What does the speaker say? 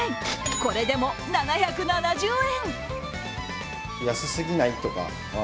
これでも７７０円！